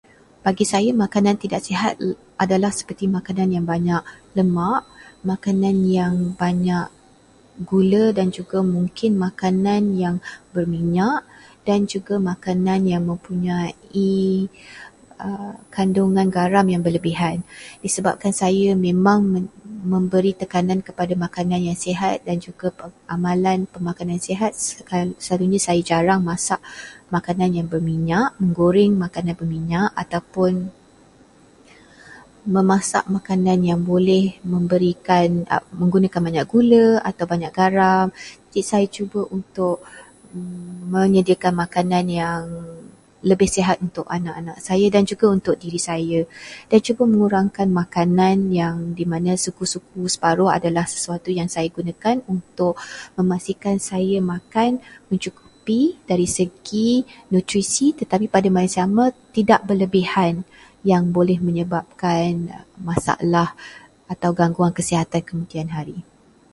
Bagi saya, makanan tidak sihat adalah seperti makanan yang banyak lemak, makanan yang banyak gula, dan juga mungkin makanan yang berminyak dan juga makanan yang mempunyai kandungan garam yang berlebihan. Disebabkan saya memang memberi tekanan kepada makanan yang sihat dan juga amalan pemakanan sihat, selalunya saya jarang masak makanan yang berminyak, menggoreng makanan berminyak, ataupun memasak makanan yang boleh memberikan- menggunakan banyak gula atau banyak garam. Saya cuba untuk menyediakan makanan yang lebih sihat untuk anak-anak saya dan juga untuk diri saya, dan cuba untuk mengurangkan makanan, yang di mana suku-suku, separuh adalah sesuatu yang saya gunakan untuk memastikan saya makan mencukupi dari segi nutrisi, tetapi pada masa sama tidak berlebihan yang boleh menyebabkan masalah atau gangguan kesihatan di kemudian hari.